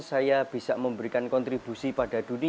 saya bisa memberikan kontribusi pada dunia